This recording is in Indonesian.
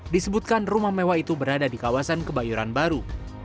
disebutkan rumah mewah itu berada di kawasan kebayoran baru